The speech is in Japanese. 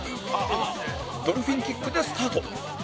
ドルフィンキックでスタート